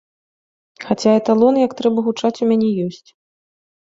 Хаця эталон, як трэба гучаць, у мяне ёсць.